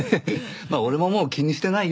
まあ俺ももう気にしてないよ。